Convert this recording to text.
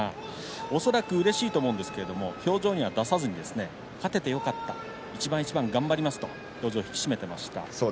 恐らくうれしいとは思いますが表情に出さず勝ててよかった一番一番頑張るというふうに表情を引き締めていました。